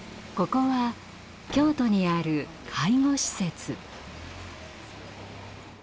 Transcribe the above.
ここは京都にある介護施設。